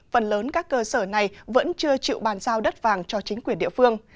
phần lớn các cơ sở này vẫn chưa chịu bàn giao đất vàng cho chính quyền địa phương